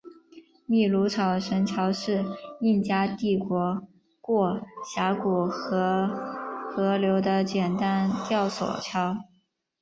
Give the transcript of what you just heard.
秘鲁草绳桥是印加帝国过峡谷和河流的简单吊索桥。